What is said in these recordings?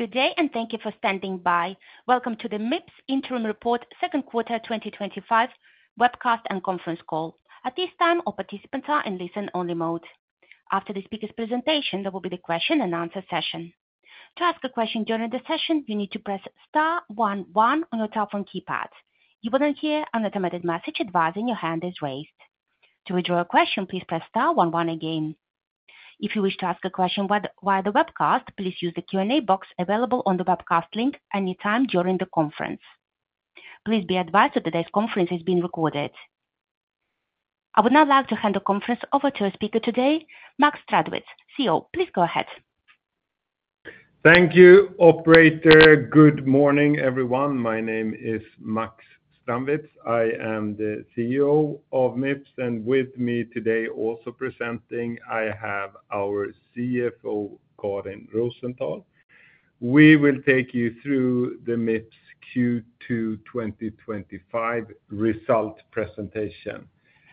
Good day and thank you for standing by. Welcome to the Mips Interim Report second quarter 2025 webcast and conference call. At this time, all participants are in listen-only mode. After the speaker's presentation, there will be the question and answer session. To ask a question during the session, you need to press star one one on your telephone keypad. You will not hear an automated message advising your hand is raised. To withdraw a question, please press star one one again. If you wish to ask a question via the webcast, please use the Q&A box available on the webcast link anytime during the conference. Please be advised that today's conference is being recorded. I would now like to hand the conference over to our speaker today, Max Strandwitz, CEO. Please go ahead. Thank you, Operator. Good morning, everyone. My name is Max Strandwitz. I am the CEO of Mips, and with me today also presenting, I have our CFO, Karin Rosenthal. We will take you through the Mips Q2 2025 result presentation,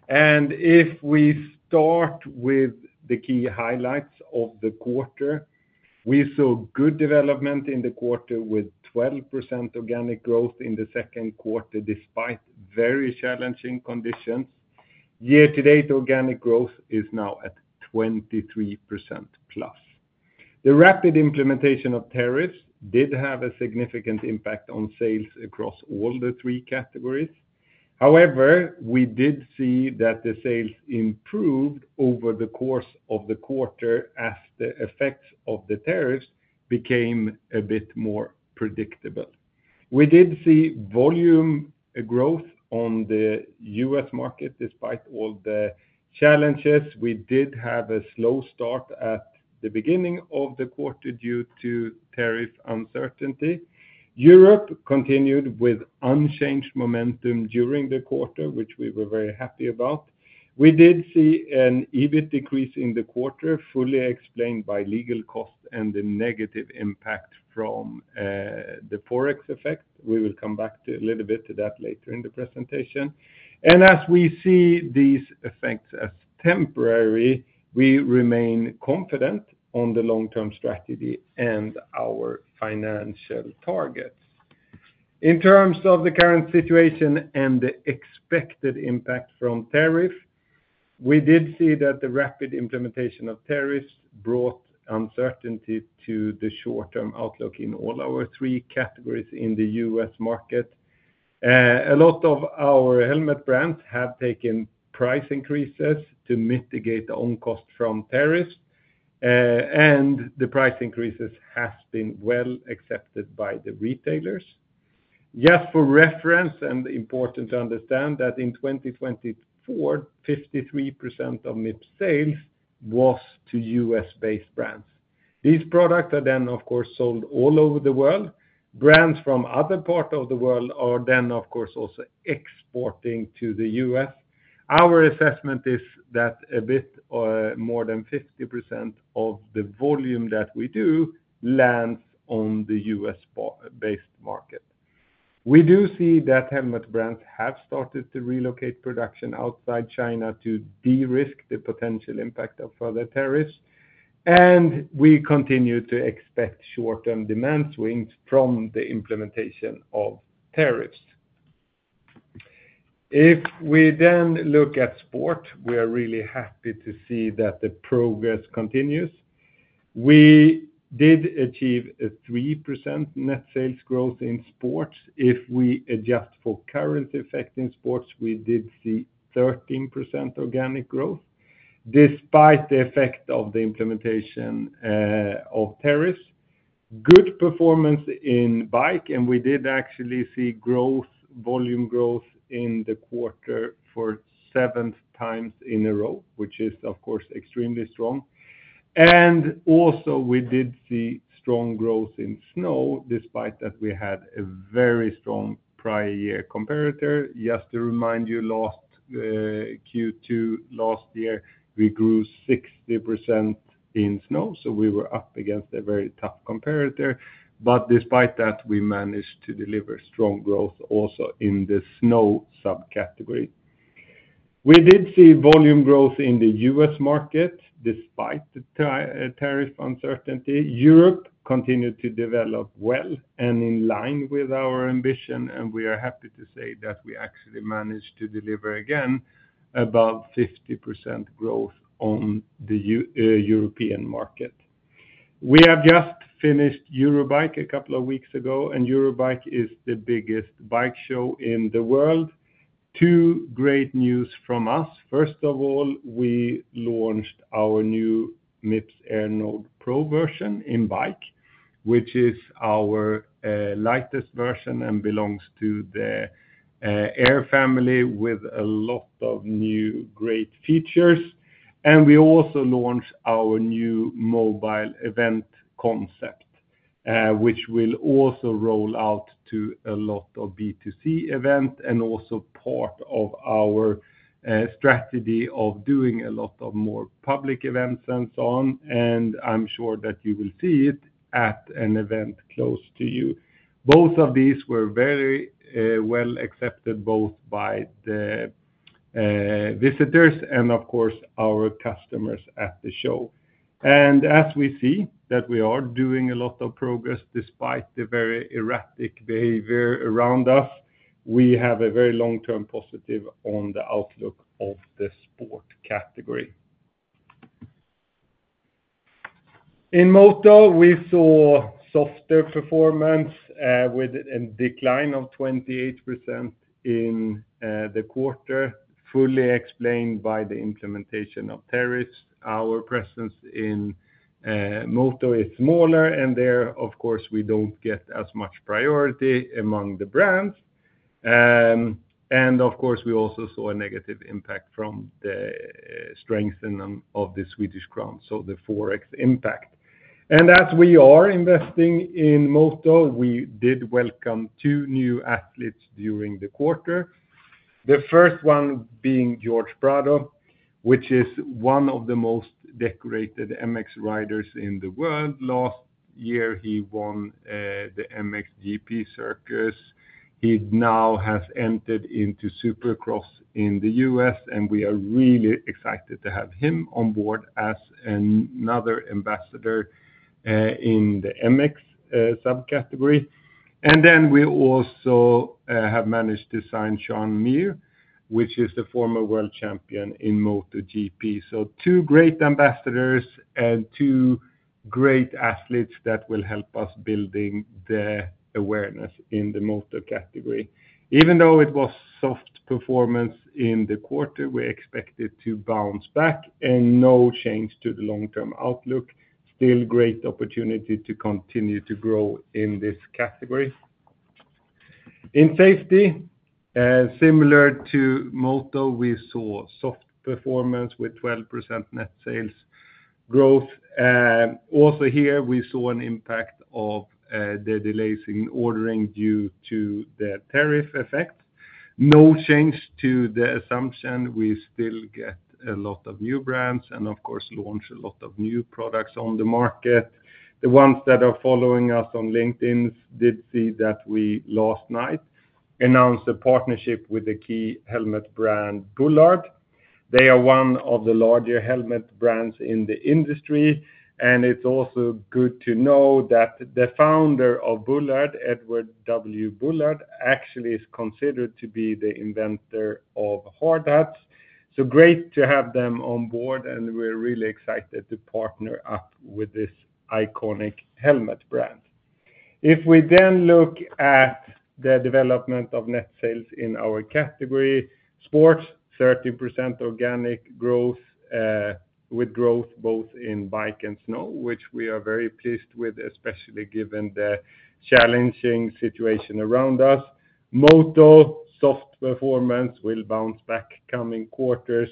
and if we start with the key highlights of the quarter, we saw good development in the quarter with 12% organic growth in the second quarter. Despite very challenging conditions year to date, organic growth is now at 23% plus. The rapid implementation of tariffs did have a significant impact on sales across all the three categories. However, we did see that the sales improved over the course of the quarter as the effects of the tariffs became a bit more predictable. We did see volume growth on the U.S. market despite all the challenges. We did have a slow start at the beginning of the quarter due to tariff uncertainty. Europe continued with unchanged momentum during the quarter, which we were very happy about. We did see an EBIT decrease in the quarter, fully explained by legal cost and the negative impact from the forex effect. We will come back a little bit to that later in the presentation, and as we see these effects as temporary, we remain confident on the long-term strategy and our financial target in terms of the current situation and the expected impact from tariffs. We did see that the rapid implementation of tariffs brought uncertainty to the short-term outlook in all our three categories. In the U.S. market, a lot of our helmet brands have taken price increases to mitigate on cost from tariffs, and the price increases have been well accepted by the retailers. Just for reference and important to understand that in 2024, 53% of Mips sales was to U.S.-based brands. These products are then of course sold all over the world. Brands from other parts of the world are then of course also exporting to the U.S. Our assessment is that a bit more than 50% of the volume that we do lands on the U.S.-based market. We do see that helmet brands have started to relocate production outside China to de-risk the potential impact of further tariffs, and we continue to expect short-term demand swings from the implementation of tariffs. If we then look at sport, we are really happy to see that the progress continues. We did achieve a 3% net sales growth in sports. If we adjust for current effect in sports, we did see 13% organic growth despite the effect of the implementation of tariffs. Good performance in bike and we did actually see volume growth in the quarter for seventh times in a row, which is of course extremely strong. We did see strong growth in snow. Despite that, we had a very strong prior year comparator. Just to remind you, last Q2 last year we grew 60% in snow, so we were up against a very tough comparator. Despite that, we managed to deliver strong growth also in the snow subcategory. We did see volume growth in the U.S. market despite the tariff uncertainty. Europe continued to develop well and in line with our ambition, and we are happy to say that we actually managed to deliver again above 50% growth on the European market. We have just finished Eurobike a couple of weeks ago, and Eurobike is the biggest bike show in the world. Two great news from us. First of all, we launched our new MIPS Air Node Pro version in bike, which is our lightest version and belongs to the Air family with a lot of new great features. We also launched our new mobile event concept, which will also roll out to a lot of B2C events and is also part of our strategy of doing a lot more public events and so on, and I'm sure that you will see it at an event close to you. Both of these were very well accepted both by the visitors and of course our customers at the show. As we see that we are doing a lot of progress despite the very erratic behavior around us, we have a very long-term positive on the outlook of the sport category. In Moto, we saw softer performance with a decline of 28% in the quarter, fully explained by the implementation of tariffs. Our presence in Moto is smaller and there, of course, we don't get as much priority among the brands, and we also saw a negative impact from the strength of the Swedish krona, so the forex impact. As we are investing in Moto, we did welcome two new athletes during the quarter, the first one being Jorge Prado, which is one of the most decorated MX riders in the world. Last year he won the MXGP circus. He now has entered into Supercross in the U.S., and we are really excited to have him on board as another ambassador in the MX subcategory. We also have managed to sign Joan Mir, which is the former world champion in MotoGP. Two great ambassadors and two great athletes that will help us building the awareness in the Moto category. Even though it was soft performance in the quarter, we expect it to bounce back and no change to the long-term outlook. Still great opportunity to continue to grow in this category. In Safety, similar to Moto, we saw soft performance with 12% net sales growth. Also here we saw an impact of the delays in ordering due to the tariff effect. No change to the assumption we still get a lot of new brands and of course launch a lot of new products on the market. The ones that are following us on LinkedIn did see that we last night announced a partnership with the key helmet brand Bullard. They are one of the larger helmet brands in the industry, and it's also good to know that the founder of Bullard, Edward W. Bullard, actually is considered to be the inventor of hard hats. It is great to have them on board, and we're really excited to partner up with this iconic helmet brand. If we then look at the development of net sales in our category Sports, 30% organic with growth both in bike and snow, which we are very pleased with, especially given the challenging situation around us. Moto soft performance will bounce back coming quarters,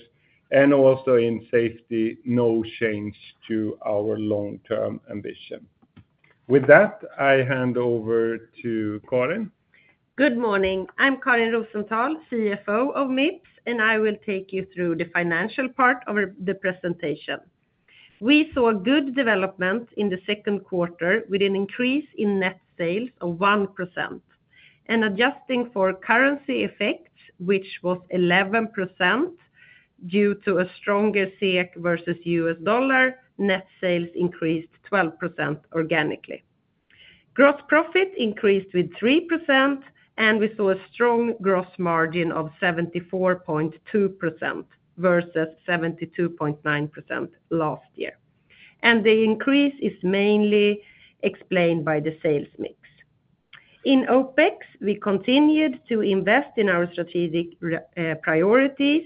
and also in Safety, no change to our long term ambition. With that I hand over to Karin. Good morning, I'm Karin Rosenthal, CFO of Mips, and I will take you through the financial part of the presentation. We saw a good development in the second quarter with an increase in net sales of 1%, and adjusting for currency effects, which was 11% due to a stronger SEK versus U.S. dollar, net sales increased 12% organically. Gross profit increased with 3%, and we saw a strong gross margin of 74.2% versus 72.9% last year. The increase is mainly explained by the sales mix in OpEx. We continued to invest in our strategic priorities,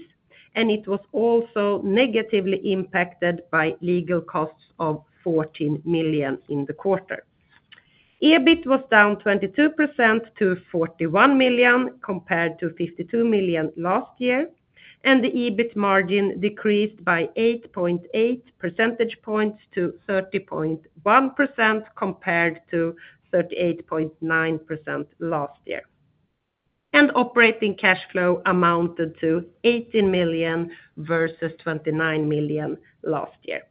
and it was also negatively impacted by legal costs of 14 million in the quarter. EBIT was down 22% to 41 million compared to 52 million last year. The EBIT margin decreased by 8.8 percentage points to 30.1% compared to 38.9% last year. Operating cash flow amounted to 18 million versus 29 million last year.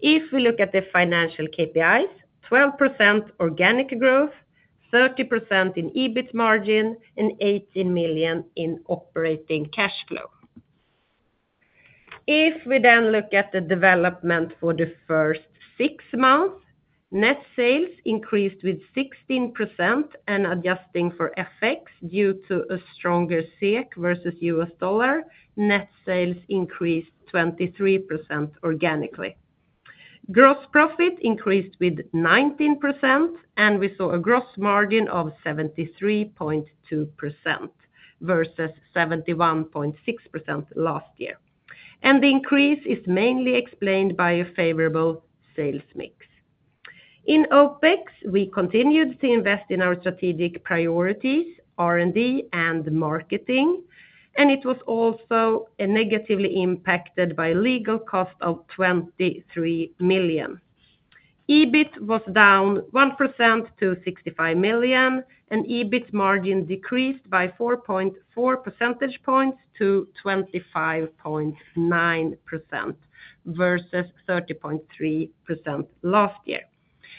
If we look at the financial KPIs, 12% organic growth, 30% in EBIT margin, and 18 million in operating cash flow. If we then look at the development for the first six months, net sales increased with 16%. Adjusting for FX due to a stronger SEK versus U.S. dollar, net sales increased 23% organically. Gross profit increased with 19%, and we saw a gross margin of 73.2% versus 71.6% last year. The increase is mainly explained by a favorable sales mix in OpEx. We continued to invest in our strategic priorities, R&D, and marketing, and it was also negatively impacted by legal cost of 23 million. EBIT was down 1% to 65 million, and EBIT margin decreased by 4.4 percentage points to 25.9% versus 30.3% last year.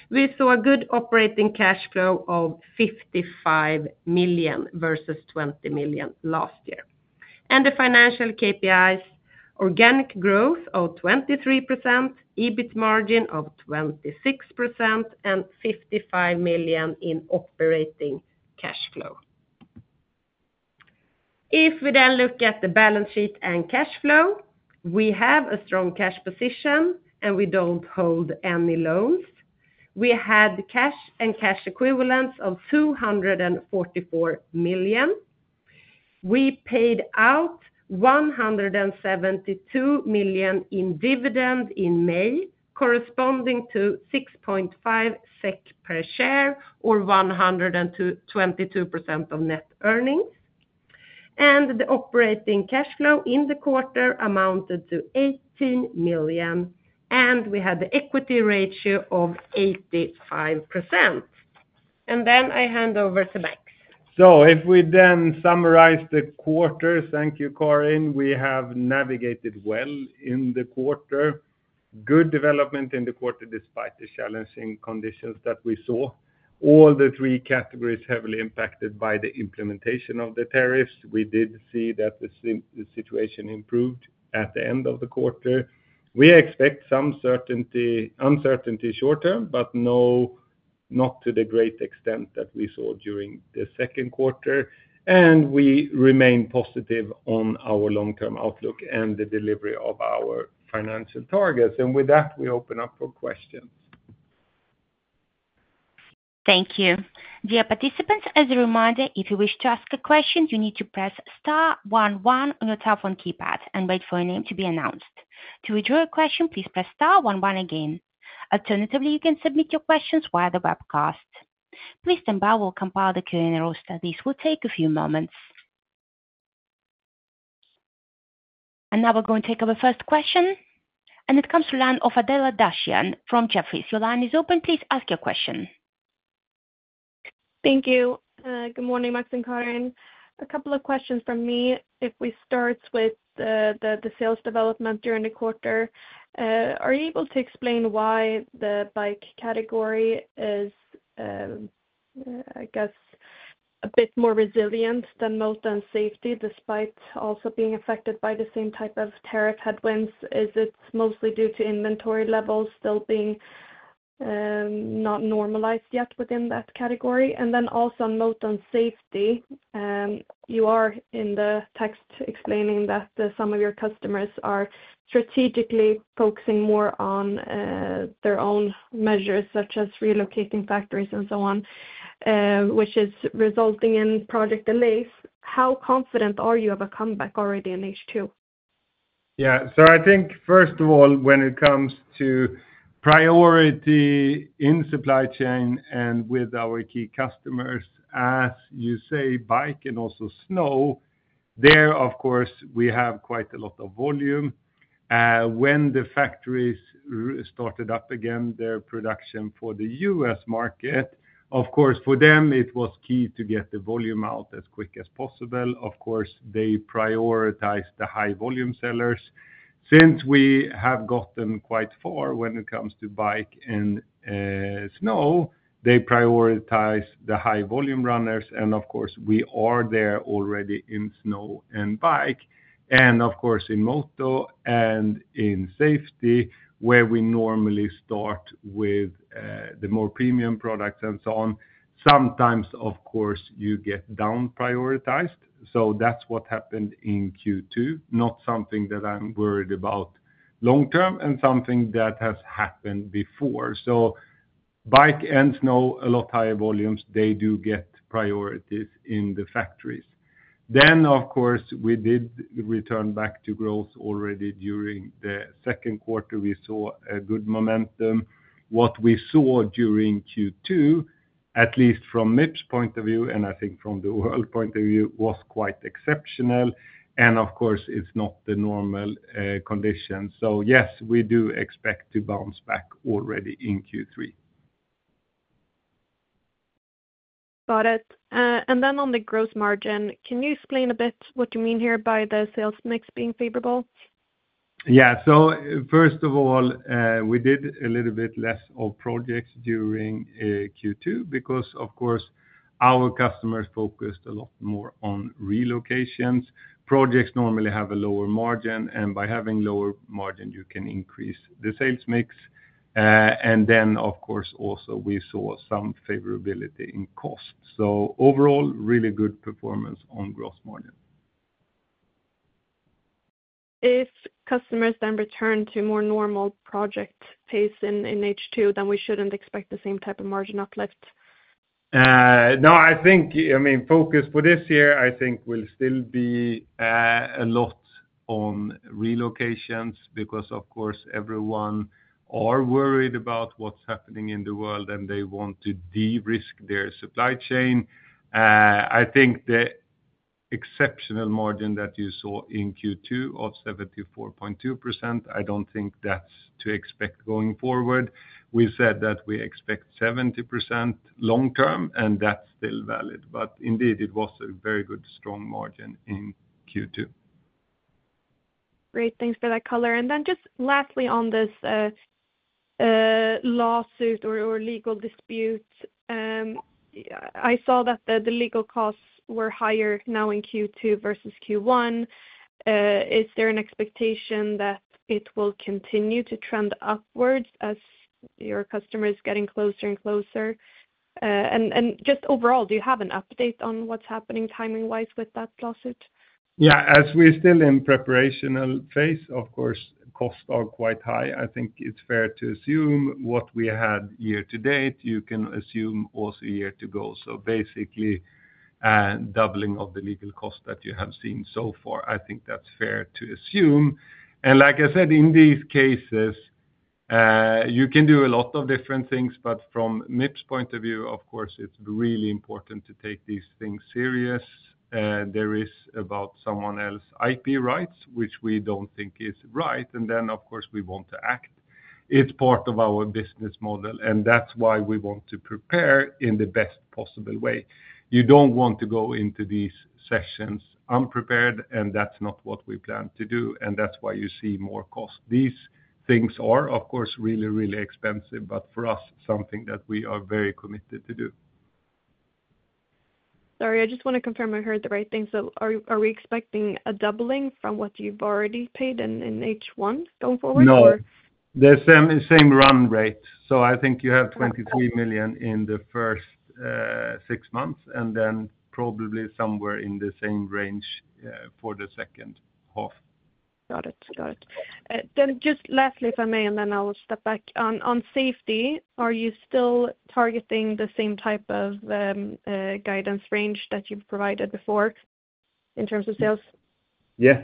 We saw a good operating cash flow of 55 million versus 20 million last year, and the financial KPIs: organic growth of 23%, EBIT margin of 26%, and 55 million in operating cash flow. If we then look at the balance. Sheet and cash flow, we have a strong cash position and we don't hold any loans. We had cash and cash equivalents of 244 million. We paid out 172 million in dividends in May, corresponding to 6.5 SEK per share or 122% of net earnings. The operating cash flow in the quarter amounted to 18 million and we had the equity ratio of 85%. I hand over to Max. If we then summarize the quarter, thank you, Karin. We have navigated well in the quarter, good development in the quarter. Despite the challenging conditions that we saw, all the three categories were heavily impacted by the implementation of the tariffs. We did see that the situation improved at the end of the quarter. We expect some uncertainty short term, but not to the great extent that we saw during the second quarter. We remain positive on our long term outlook and the delivery of our financial targets. With that, we open up for questions. Thank you. Dear participants, as a reminder, if you wish to ask a question, you need to press star one one on your telephone keypad and wait for your name to be announced. To withdraw your question, please press star one one again. Alternatively, you can submit your questions via the webcast. Please stand by. We'll compile the Q and A roster. This will take a few moments and now we're going to take our first question and it comes to Adela Dashian from Jefferies. Your line is open. Please ask your question. Thank you. Good morning, Max and Karin. A couple of questions from me. If we start with the sales development during the quarter, are you able to explain why the bike category is, I guess, a bit more resilient than most on safety despite also being affected by the same type of tariff headwinds? Is it mostly due to inventory levels still being not normalized yet within that category? Also, on safety, you are in the text explaining that some of your customers are strategically focusing more on their own measures such as relocating factories and so on, which is resulting in project delays. How confident are you of a comeback already in H2? Yeah, so I think first of all when it comes to priority in supply chain and with our key customers, as you say bike and also snow, there of course we have quite a lot of volume. When the factories started up again their production for the U.S. market, of course for them it was key to get the volume out as quick as possible. Of course they prioritized the high volume sellers. Since we have gotten quite far when it comes to bike and snow, they prioritize the high volume runners. Of course we are there already in snow and bike and of course in moto and in safety we, where we normally start with the more premium products and so on. Sometimes of course you get down prioritized. That's what happened in Q2. Not something that I'm worried about long term and something that has happened before. Bike and snow a lot higher volumes. They do get priorities in the factories. Of course we did return back to growth already during the second quarter. We saw a good momentum. What we saw during Q2 at least from MIPS point of view and I think from the world point of view was quite exceptional. Of course it's not the normal condition. Yes, we do expect to bounce back already in Q3. Got it. On the gross margin, can you explain a bit what you mean here by the sales mix being favorable? Yeah, first of all we did a little bit less of projects during Q2 because of course our customers focused a lot more on relocations. Projects normally have a lower margin, and by having lower margin you can increase the sales mix. We also saw some favorability in cost. Overall, really good performance on gross margin. If customers then return to more normal project pace in H2, then we shouldn't expect the same type of margin uplift. No, I think, I mean focus for this year I think will still be a lot on relocations because of course everyone is worried about what's happening in the world and they want to de-risk their supply chain. I think the exceptional margin that you saw in Q2 of 74.2%, I don't think that's to expect going forward. We said that we expect 70% long term and that's still valid. It was a very good strong margin in Q2. Great, thanks for that color. Lastly on this. Lawsuit. Legal dispute, I saw that the legal costs were higher now in Q2 versus Q1. Is there an expectation that it will continue to trend upwards as your customer is getting closer and closer? Do you have an update on what's happening timing wise with that lawsuit? Yeah, as we're still in preparation phase, of course costs are quite high. I think it's fair to assume what we had year to date. You can assume also year to go, so basically doubling of the legal cost that you have seen so far. I think that's fair to assume. Like I said, in these cases you can do a lot of different things. From Mips point of view, of course it's really important to take these things serious. There is about someone else IP rights which we don't think is right. Of course we want to act. It's part of our business model and that's why we want to prepare in the best possible way. You don't want to go into these sessions unprepared. That's not what we plan to do. That's why you see more cost. These things are of course really, really expensive. For us, something that we are very committed to do. Sorry, I just want to confirm I heard the right thing. Are we expecting a doubling from what you've already paid in H1 going forward? The same run rate. I think you have 23 million in the first six months and then probably somewhere in the same range for the second half. Got it, got it. Lastly, if I may, I will step back on safety. Are you still targeting the same type of guidance range that you've provided before in terms of sales? Yes,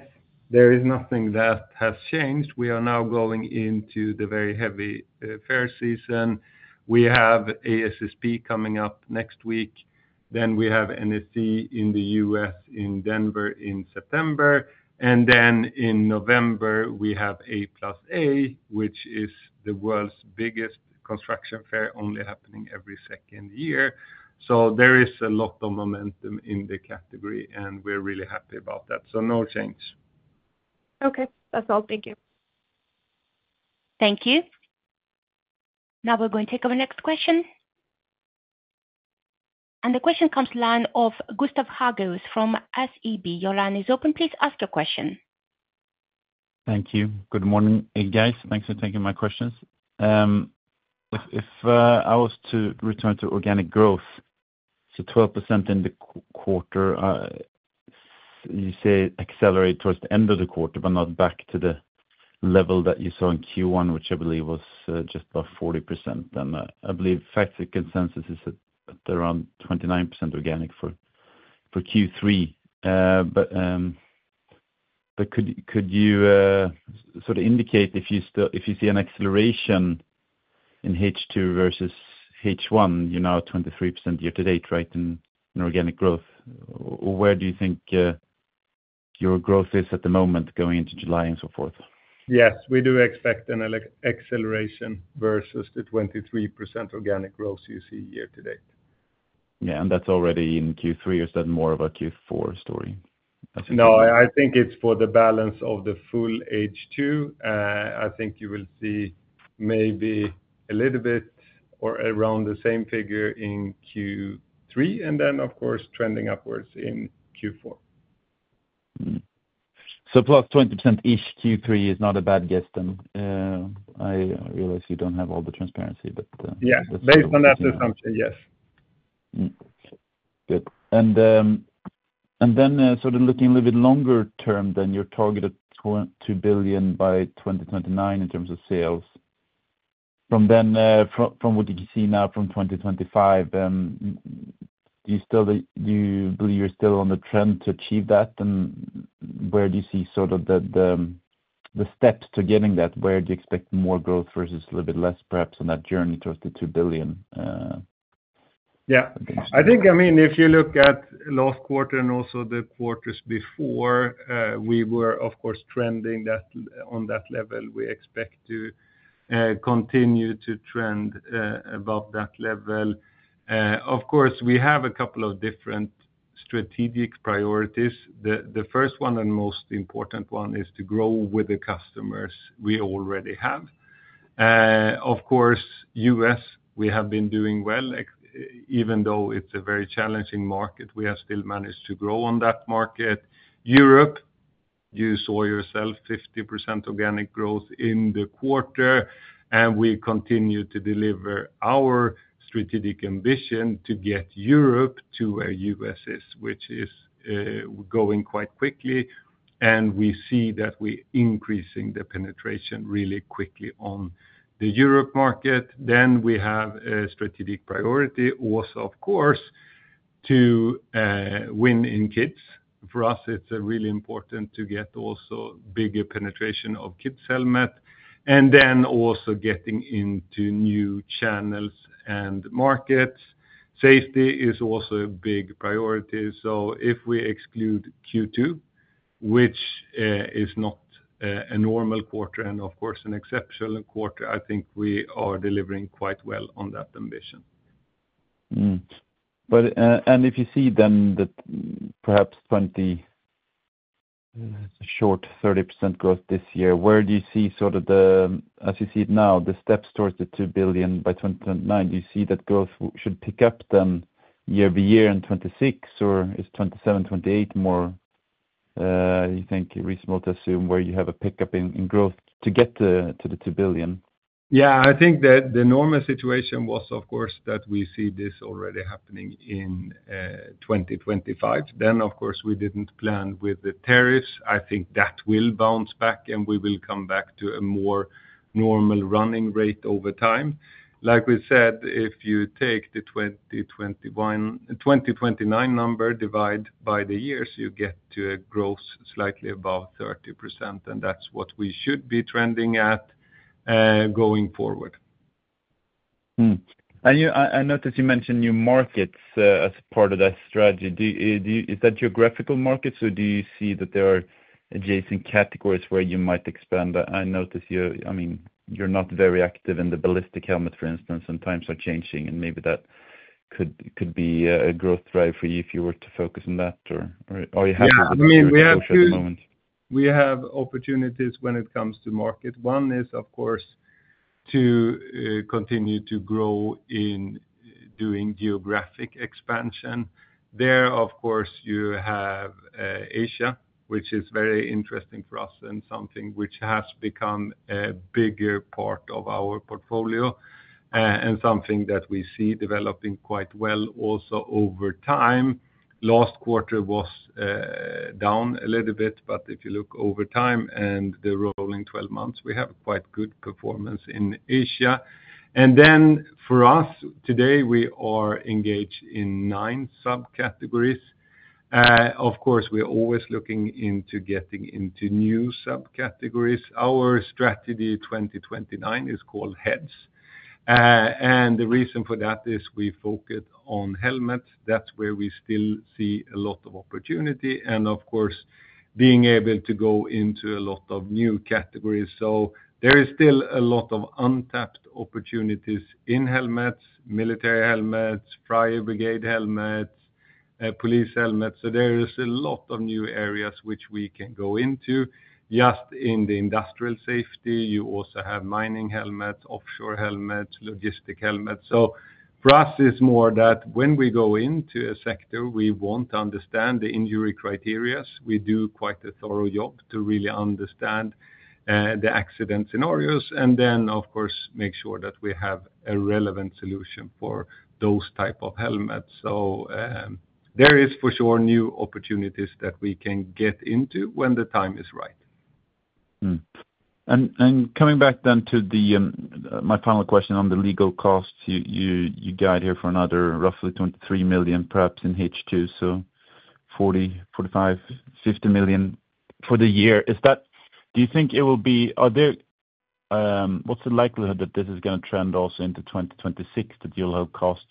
there is nothing that has changed. We are now going into the very heavy fair season. We have ASSP coming up next week. We have NSE in the U.S. in Denver in September. In November, we have A A, which is the world's biggest construction fair, only happening every second year. There is a lot of momentum in the category and we're really happy about that. No change. Okay, that's all. Thank you. Thank you. Now we're going to take our next question. The question comes from the line of Gustav Hagéus from SEB. Your line is open. Please ask your question. Thank you. Good morning, guys. Thanks for taking my questions. If I was to return to organic growth, 12% in the quarter. You. Say accelerate towards the end of the quarter, but not back to the level that you saw in Q1, which I believe was just about 40%. I believe factor consensus is around 29% organic for Q3. Could you sort of indicate if you see an acceleration in H2 versus H1? You're now at 23% year to date. Right. In organic growth, where do you think your growth is at the moment going into July and so forth? Yes, we do expect an acceleration versus the 23% organic growth you see year to date. That's already in Q3. Is that more of a Q4 story? No, I think it's for the balance of the full H2. I think you will see maybe a little bit or around the same figure in Q3, and then of course trending upwards in Q4. For 20% ish, Q3 is not a bad guess. I realize you don't have all the transparency, but yes. Based on that assumption, yes. Good. Looking a little bit longer term than your target of 2 billion by 2029 in terms of sales, from what you see now from 2025. You believe you are. still on the trend to achieve that? Where do you see the steps to getting that? Where do you expect more growth versus a little bit less perhaps on that journey towards the 2 billion? Yeah, I think, I mean if you look at last quarter and also the quarters before, we were of course trending that low on that level. We expect to continue to trend above that level. Of course we have a couple of different strategic priorities. The first one and most important one is to grow with the customers. We already have, of course, us, we have been doing well. Even though it's a very challenging market, we have still managed to grow on that market. Europe, you saw yourself, 50% organic growth in the quarter. We continue to deliver our strategic ambition to get Europe to where the U.S. is, which is going quite quickly. We see that we are increasing the penetration really quickly on the Europe market. We have a strategic priority, which was of course to win in kits. For us it's really important to get also bigger penetration of kits, helmet, and then also getting into new channels and markets. Safety is also a big priority. If we exclude Q2, which is not a normal quarter and of course an exceptional quarter, I think we are delivering quite well on that ambition. But. If you see then that perhaps 20 short 30% growth this year, where do you see sort of the, as you see it now, the steps towards the 2 billion by 2029? Do you see that growth should pick up then year by year in 2026 or is 2027, 2028 more, you think reasonable to assume where you have a pickup in growth to get to the 2 billion? Yeah, I think that the normal situation was, of course, that we see this already happening in 2025. Of course, we didn't plan with the tariffs. I think that will bounce back, and we will come back to a more normal running rate over time. Like we said, if you take the 2029 number, divide by the years, you get to a growth slightly above 30%, and that's what we should be trending at going forward. I noticed you mentioned new markets as part of that strategy. Is that geographical markets or do you see that there are adjacent categories where you might expand? I notice you're not very active in the ballistic helmet, for instance, and times are changing and maybe that could be a growth drive for you. If you were to focus on that. At the moment. We have opportunities when it comes to market. One is of course to continue to grow in doing geographic expansion there. Of course, you have Asia, which is very interesting for us and something which has become a bigger part of our portfolio and something that we see developing quite well also over time. Last quarter was down a little bit, but if you look over time and the rolling 12 months, we have quite good performance in Asia. For us today, we are engaged in nine subcategories. Of course, we are always looking into getting into new subcategories. Our strategy 2029 is called Heads. The reason for that is we focus on helmets. That's where we still see a lot of opportunity and of course being able to go into a lot of new categories. There is still a lot of untapped opportunities in helmets, military helmets, fire brigade helmets, police helmets. There are a lot of new areas which we can go into. Just in the industrial safety, you also have mining helmets, offshore helmets, logistic helmets. For us, it is more that when we go into a sector, we want to understand the injury criteria. We do quite a thorough job to really understand the accident scenarios and then of course make sure that we have a relevant solution for those types of helmets. There are for sure new opportunities that we can get into when the time is right. Coming back to my final question on the legal costs, you guide here for another roughly 23 million, perhaps in H2, so 40, 45, 50 million for the year. Do you think it will be, what's the likelihood that this is going to trend also into 2026, that you'll have costs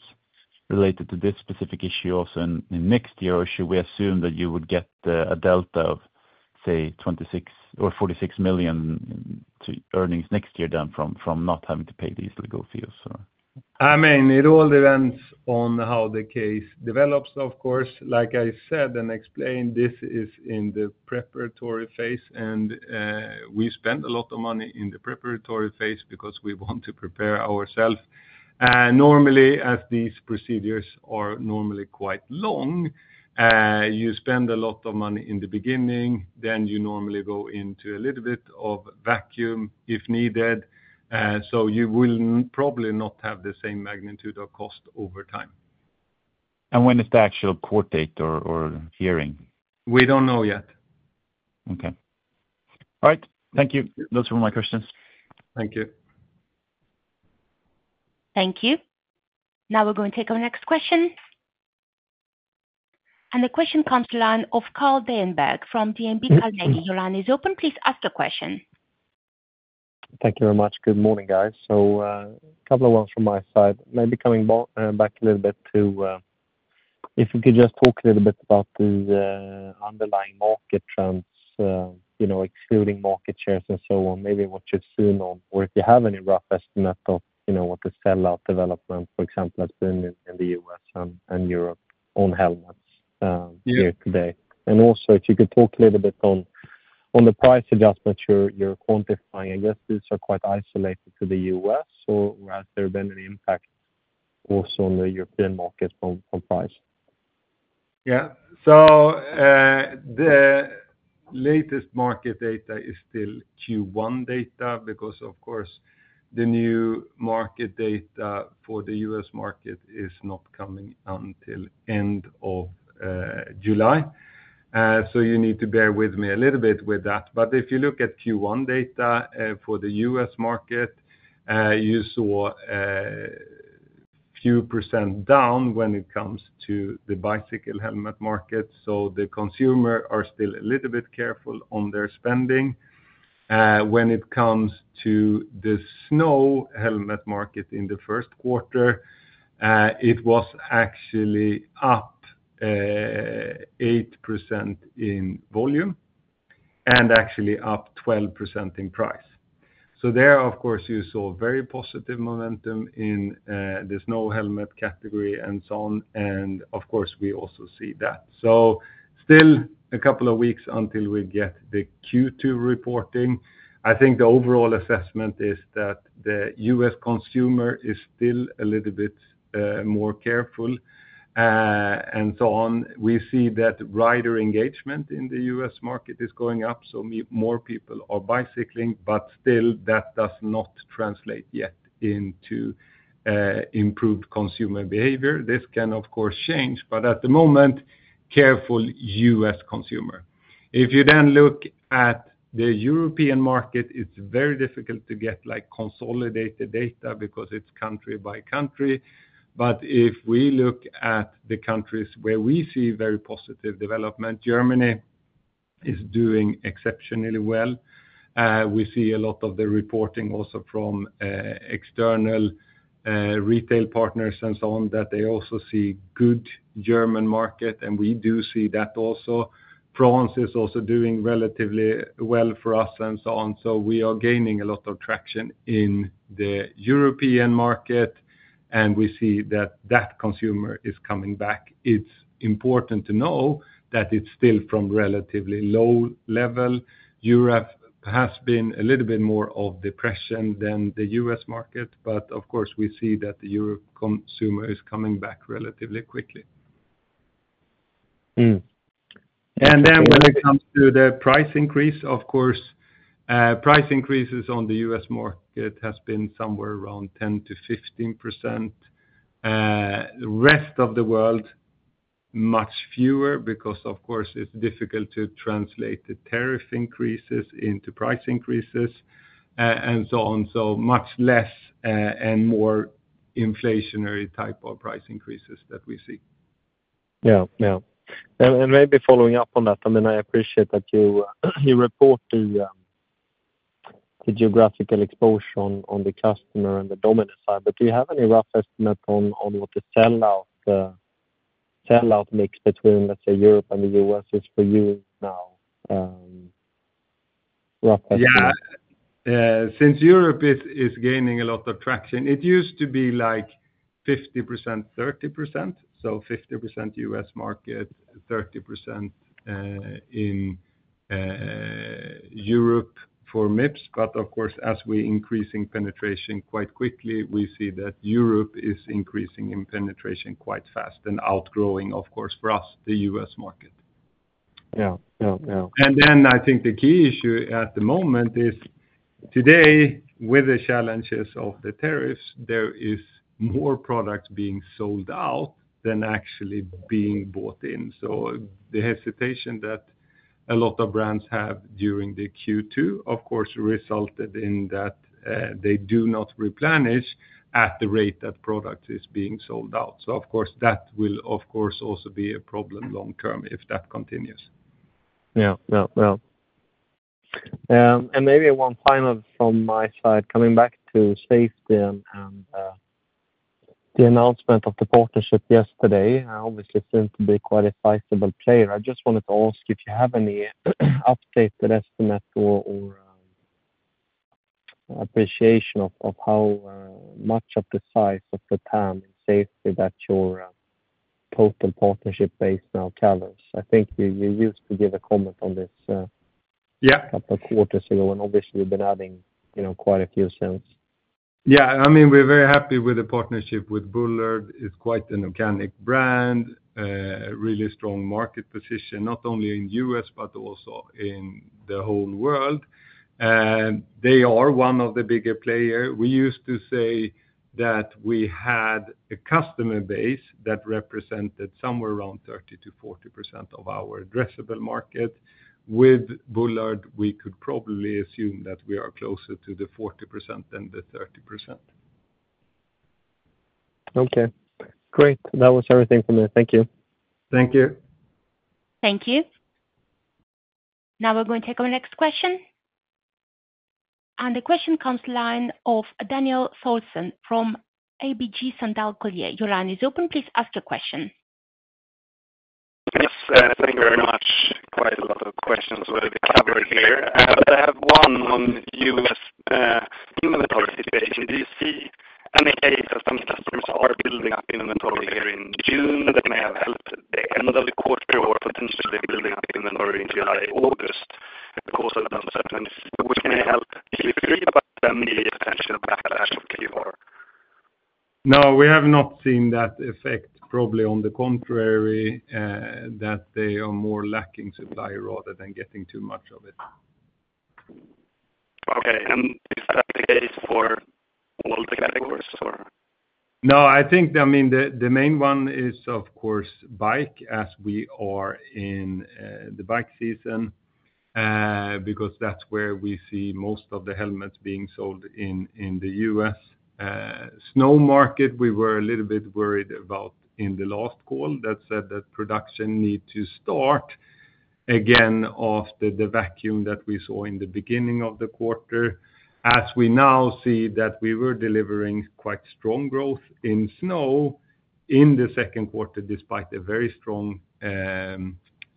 related to this specific issue also in next year? Or should we assume that you would get a delta of say 26 or 46 million to earnings next year from not having to pay these legal fees? It all depends on how the case develops. Of course, like I said and explained, this is in the preparatory phase, and we spend a lot of money in the preparatory phase because we want to prepare ourselves normally, as these procedures are normally quite long. You spend a lot of money in the beginning, then you normally go into a little bit of vacuum if needed. You will probably not have the same magnitude or cost over time. When is the actual court date or hearing? We don't know yet. Okay. All right. Thank you. Those were my questions. Thank you. Thank you. Now we're going to take our next question. The question comes to the line of Carl Deijenberg from DNB Carnegie. Your line is open. Please ask your question. Thank you very much. Good morning, guys. A couple of ones from my side, maybe coming back a little bit to if you could just talk a little bit about the underlying market and, you know, excluding market shares and so on, maybe what you're seeing on, or if you have any rough estimate of, you know, what the sellout development, for example, has been in the U.S. and Europe on helmets here today. Also, if you could talk a little bit on the price adjustments you're quantifying, I guess these are quite isolated to the U.S. or has there been any impact also on the European market on price? The latest market data is still Q1 data because, of course, the new market data for the U.S. market is not coming until end of July. You need to bear with me a little bit with that. If you look at Q1 data for the U.S. market, you saw a few percent down when it comes to the bicycle helmet market. The consumer is still a little bit careful on their spending. When it comes to the snow helmet market, in the first quarter, it was actually up 8% in volume and actually up 12% in price. There, of course, you saw very positive momentum in the snow helmet category. We also see that. Still a couple of weeks until we get the Q2 reporting. I think the overall assessment is that the U.S. consumer is still a little bit more careful. We see that rider engagement in the U.S. market is going up, so more people are bicycling, but still that does not translate yet into improved consumer behavior. This can, of course, change. At the moment, careful U.S. consumer. If you then look at the European market, it's very difficult to get consolidated data because it's country by country. If we look at the countries where we see very positive development, Germany is doing exceptionally well. We see a lot of the reporting also from external retail partners that they also see good German market. We do see that France is also doing relatively well for us. We are gaining a lot of traction in the European market and we see that the consumer is coming back. It's important to know that it's still from a relatively low level. Europe has been a little bit more of depression than the U.S. market, but we see that the Euro consumer is coming back relatively quickly. When it comes to the price increase, of course price increases on the U.S. market have been somewhere around 10%-15%. For the rest of the world, much fewer because it's difficult to translate the tariff increases into price increases and so on. Much less and more inflationary type of price increases that we see. Maybe following up on that, I appreciate that you report the geographical exposure on the customer and the dominant side, but do you have any rough estimate on what the sellout mix between, let's say, Europe and the U.S. is for you now? Since Europe is gaining a lot of traction, it used to be like 50%, 30%. So 50% U.S. market, 30% in Europe for Mips. As we are increasing penetration quite quickly, we see that Europe is increasing in penetration quite fast and outgrowing, for us, the U.S. market. I think the key issue at the moment is today with the challenges of the tariffs, there are more products being sold out than actually being bought in. The hesitation that a lot of brands have during Q2 resulted in that they do not replenish at the rate that product is being sold out. That will also be a problem long term if that continues. Maybe one final from my side, coming back to safety and the announcement of the partnership yesterday, obviously seems to be quite a sizable player. I just wanted to ask if you have any updated estimate or appreciation of how much of the size of the time and safety that your partnership is based. Now, Travers, I think you used to give a comment on this a couple quarters ago and obviously we've been adding quite a few since. We're very happy with the partnership with Bullard. It's quite an organic brand, really strong market position not only in the U.S., but also in the whole world. They are one of the bigger players. We used to say that we had a customer base that represented somewhere around 30%-40% of our addressable market. With Bullard, we could probably assume that we are closer to the 40% than the 30%. Okay, great. That was everything from me. Thank you. Thank you. Thank you. Now we're going to take our next question. The question comes from the line of Daniel Thorsson from ABG Sundal Collier. Your line is open. Please ask a question. Yes, thank you very much. Quite a lot of questions will be covered here, but I have one on U.S. inventory situation. Do you see any case that some customers are building up in inventory here? In June, that may have helped the. End of the quarter period building up in early July, August, the course of the uncertainty, which can help? No, we have not seen that effect. Probably on the contrary, that they are more lacking supply rather than getting too much of it. Okay, and is that the case for world economic course? No, I think, I mean, the main one is of course bike as we are in the bike season because that's where we see most of the helmets being sold in the U.S. Snow market, we were a little bit worried about in the last call that said that production need to start again after the vacuum that we saw in the beginning of the quarter. As we now see that we were delivering quite strong growth in snow in the second quarter despite a very strong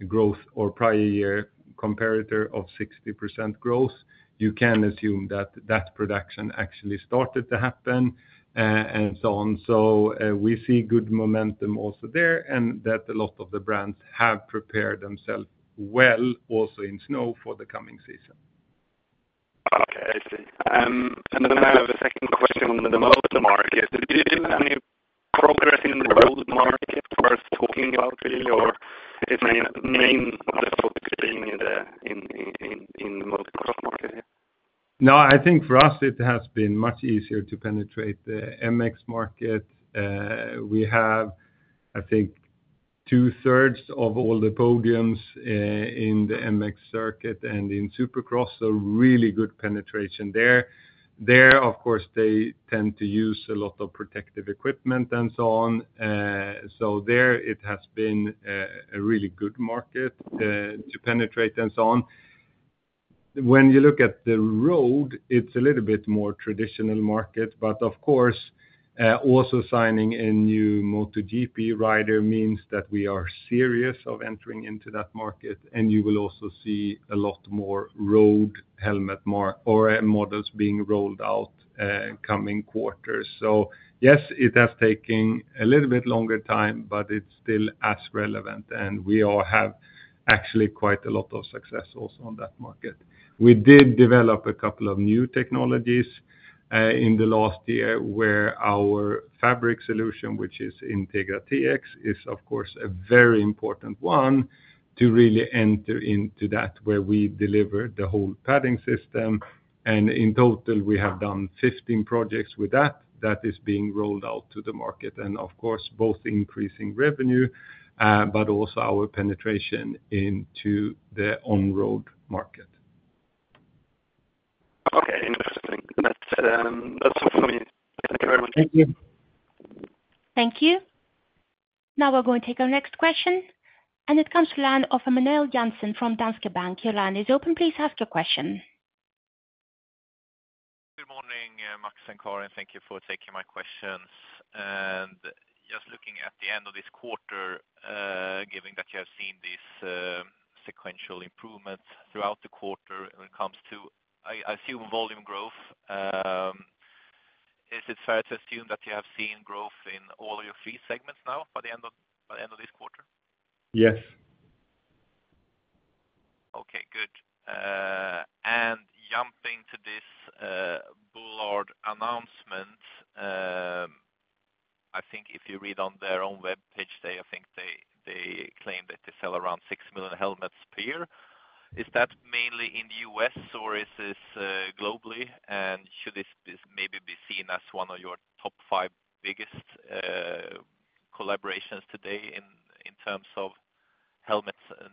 growth or prior year comparator of 60% growth. You can assume that that production actually started to happen and so on. We see good momentum also there and that a lot of the brands have prepared themselves well also in snow for the coming season. Okay, I see. I have a second question on the motor market. Progress in the road market worth talking about really or is my main focus being in. No, I think for us it has been much easier to penetrate the MX market. We have, I think, two thirds of all the podiums in the MX circuit and in Supercross. Really good penetration there. They tend to use a lot of protective equipment and so on. There it has been a really good market to penetrate. When you look at the road, it's a little bit more traditional market. Of course, also signing a new MotoGP rider means that we are serious about entering into that market and you will also see a lot more road helmet models being rolled out coming quarters. It has taken a little bit longer time, but it's still as relevant and we all have actually quite a lot of success also on that market. We did develop a couple of new technologies in the last year where our fabric solution, which is Integra TX, is of course a very important one to really enter into that where we deliver the whole padding system. In total we have done 15 projects with that that is being rolled out to the market and of course both increasing revenue but also our penetration into the on road market. Okay, interesting. That's all from me. Thank you very much. Thank you. Thank you. Now we're going to take our next question, and it comes to the line of Emanuel Jansson from Danske Bank. Your line is open. Please ask your question. Good morning, Max and Karin. Thank you for taking my questions. Just looking at the end of this quarter, given that you have seen this sequential improvement throughout the quarter when it comes to, I assume, volume growth, is it fair to assume that you have seen growth in all your fleet segments now by the end of this quarter? Yes. Okay, good. Jumping to this Bullard announcement. I. If you read on their own webpage, I think they claim that they sell around 6 million helmets per year. Is that mainly in the U.S. or is this globally? Should this maybe be seen as one of your top five biggest collaborations today in terms of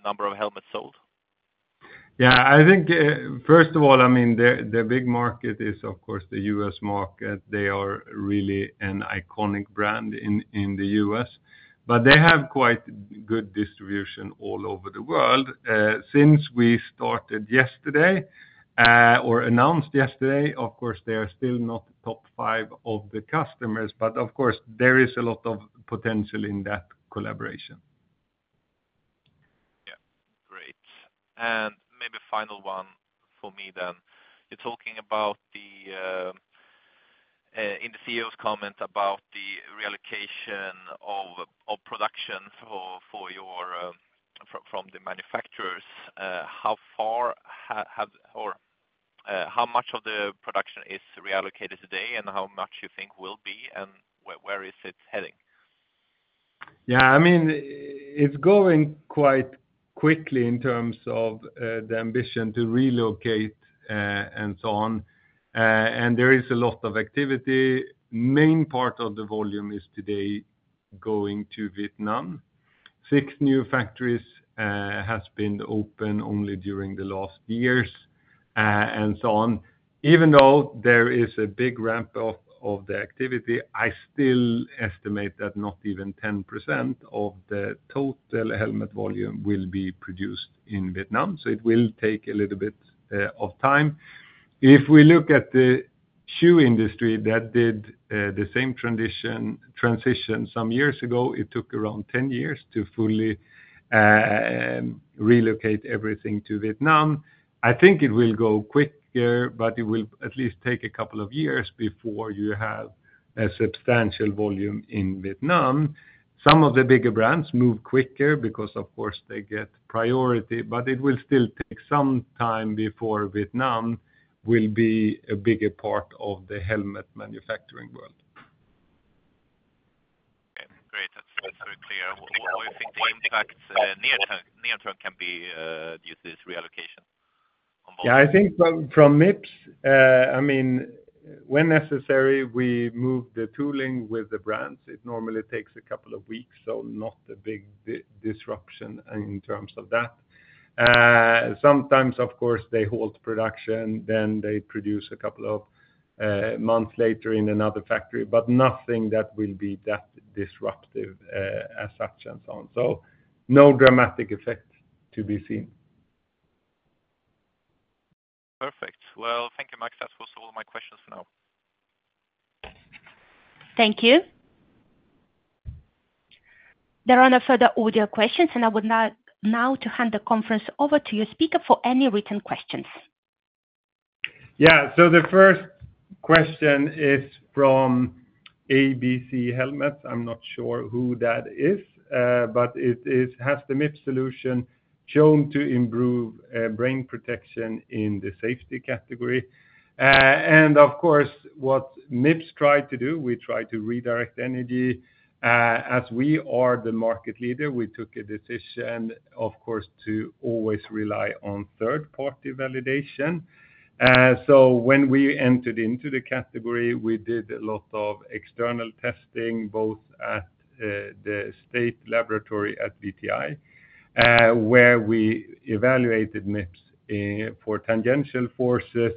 number of helmets sold? I think first of all, the big market is of course the U.S. market. They are really an iconic brand in the U.S., but they have quite good distribution all over the world. Since we started yesterday or announced yesterday, they are still not top five of the customers, but there is a lot of potential in that collaboration. Great. Maybe final one for me then. You're talking about, in the CEO's comment, the reallocation of production from the manufacturers. How far have or how much of the production is reallocated today, how much you think will be, and where is it heading? Yeah, I mean it's going quite quickly in terms of the ambition to relocate and so on. There is a lot of activity. Main part of the volume is today going to Vietnam. Six new factories have been opened only during the last years and so on. Even though there is a big ramp up of the activity, I still estimate that not even 10% of the total helmet volume will be produced in Vietnam. It will take a little bit of time. If we look at the shoe industry that did the same transition some years ago, it took around 10 years to fully relocate everything to Vietnam. I think it will go quicker, but it will at least take a couple of years before you have a substantial volume in Vietnam. Some of the bigger brands move quicker because of course they get priority, but it will still take some time before Vietnam will be a bigger part of the helmet manufacturing world. Great, that's very clear. What do you think the impact near term can be due to this reallocation? Yeah, I think from Mips, I mean, when necessary we move the tooling with the brand. It normally takes a couple of weeks, so not a big disruption in terms of that. Sometimes of course they halt production, then they produce a couple of months later in another factory, but nothing that will be that disruptive as such. No dramatic effect to be seen. Perfect. Thank you, Max. That was all my questions now. Thank you. There are no further audio questions, and I would now like to hand the conference over to your speaker for any written questions. Yeah, so the first question is from ABC Helmet. I'm not sure who that is, but it is. Has the Mips solution shown to improve brain protection in the safety category? Of course, what Mips tried to do, we tried to redirect energy. As we are the market leader, we took a decision to always rely on third party validation. When we entered into the category, we did a lot of external testing both at the state laboratory at DTI where we evaluated Mips for tangential forces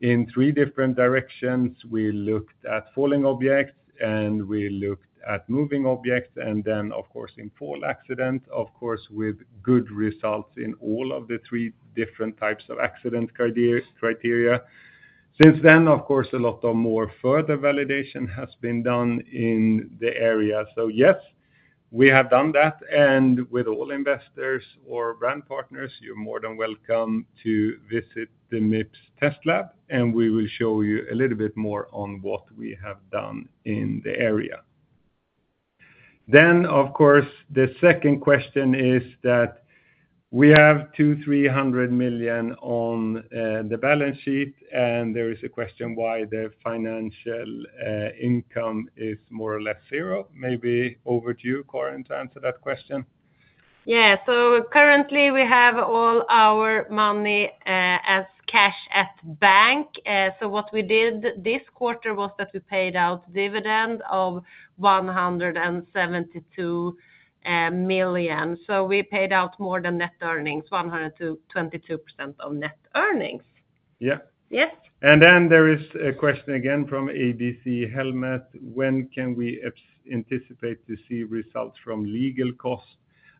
in three different directions. We looked at falling objects and we looked at moving objects. In fall accident, with good results in all of the three different types of accident criteria. Since then, a lot more further validation has been done in the area. Yes, we have done that. With all investors or brand partners, you're more than welcome to visit the Mips test lab and we will show you a little bit more on what we have done in the area. The second question is that we have 200 million, 300 million on the balance sheet and there is a question why the financial income is more or less zero. Maybe over to you, Karin, to answer that question. Yeah, so currently we have all our money as zero cash at bank. What we did this quarter was that we paid out dividend of 172 million. We paid out more than net earnings, 122% of net earnings. Yeah, yeah. There is a question again from ABC Helmet. When can we anticipate to see results from legal costs?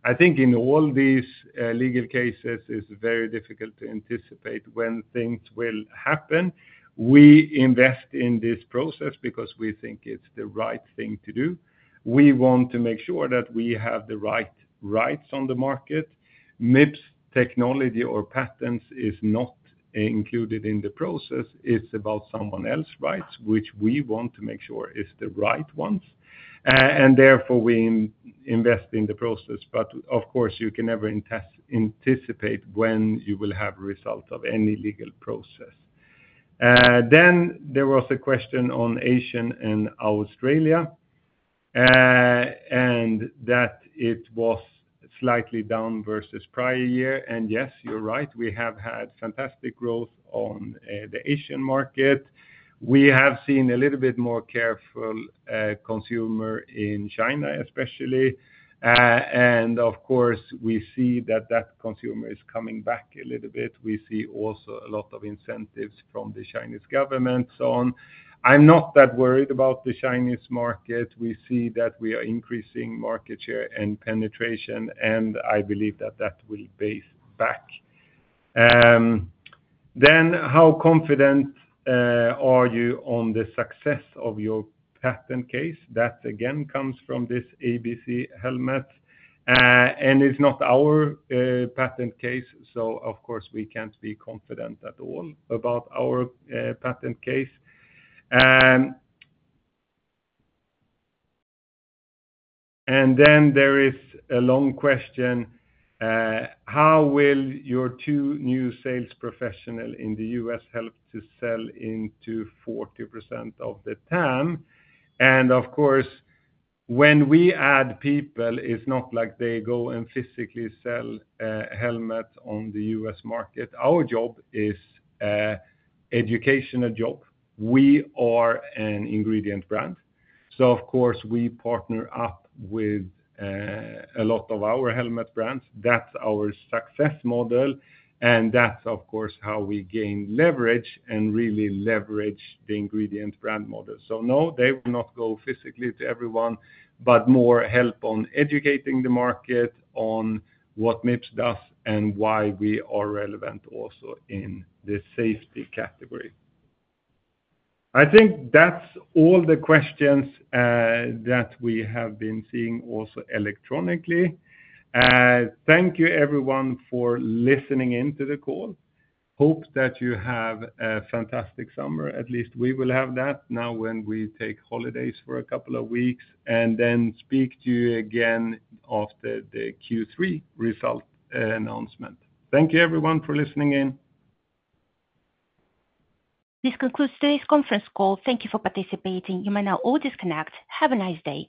I think in all these legal cases it's very difficult to anticipate when things will happen. We invest in this process because we think it's the right thing to do. We want to make sure that we have the right rights on the market. Mips technology or patents is not included in the process. It's about someone else's rights which we want to make sure are the right ones. Therefore, we invest in the process. Of course, you can never anticipate when you will have results of any legal process. There was a question on Asia and Australia and that it was slightly down versus prior year. Yes, you're right, we have had fantastic growth on the Asian market. We have seen a little bit more careful consumer in China especially and we see that consumer is coming back a little bit. We see also a lot of incentives from the Chinese government and so on. I'm not that worried about the Chinese market. We see that we are increasing market share and penetration and I believe that will pay back. How confident are you on the success of your patent case? That again comes from this ABC Helmet and it's not our patent case. Of course, we can't be confident at all about our patent case. There is a long question. How will your two new sales professionals in the U.S. help to sell into 40% of the TAM? Of course, when we add people it's not like they go and physically sell helmets on the U.S. market. Our job is educational. We are an ingredient brand. Of course, we partner up with a lot of our helmet brands. That is our stack success model and that's how we gain leverage and really leverage the ingredient brand model. No, they will not go physically to everyone but more help on educating the market on what Mips does and why we are relevant, also in the safety category. I think that's all the questions that we have been seeing also electronically. Thank you everyone for listening into the call. Hope that you have a fantastic summer. At least we will have that now when we take holidays for a couple of weeks and then speak to you again after the Q3 result announcement. Thank you everyone for listening in. This concludes today's conference call. Thank you for participating. You may now all disconnect. Have a nice day.